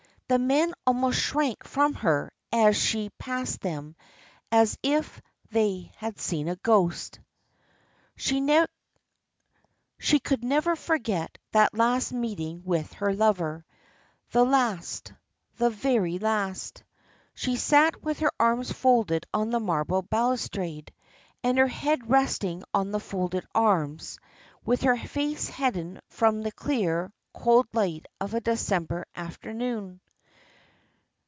The men almost shrank from her as she passed them, as if they had seen a ghost. She could never forget that last meeting with her lover. The last the very last. She sat with her arms folded on the marble balustrade, and her head resting on the folded arms, with her face hidden from the clear, cold light of a December afternoon.